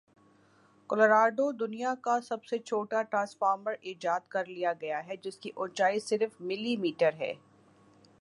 Colorado دنیا کا سب سے چھوٹا ٹرانسفارمر ایجاد کرلیا گیا ہے جس کے اونچائی صرف ملی میٹر ہے